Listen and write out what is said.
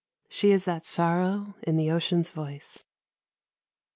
She is that sorrow in the ocean's voice.